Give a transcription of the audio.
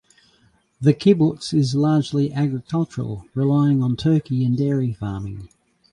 The kibbutz is largely agricultural, relying on turkey and dairy farming.